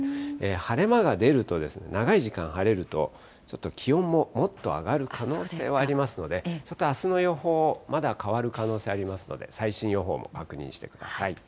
晴れ間が出ると、長い時間晴れると、ちょっと気温ももっと上がる可能性はありますので、ちょっとあすの予報、まだ変わる可能性ありますので、最新予報も確認してください。